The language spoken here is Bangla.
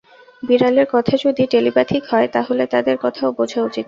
বিড়ালের কথা যদি টেলিপ্যাথিক হয়, তাহলে তাদের কথাও বোঝা উচিত ছিল।